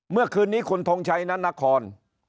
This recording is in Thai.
เมื่อคืนนี้คุณทงชัยนานคร